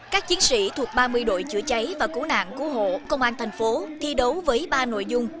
các chiến sĩ thuộc ba mươi đội chữa cháy và cứu nạn cứu hộ công an thành phố thi đấu với ba nội dung